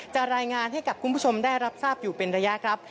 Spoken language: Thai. รายงานให้กับคุณผู้ชมได้รับทราบอยู่เป็นระยะครับ